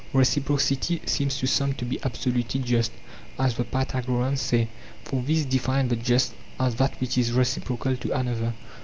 Reciprocity seems to some to be absolutely just, as the Pythagoreans say ; for these defined the just as that which is reciprocal to another.